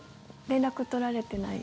連絡取られてない？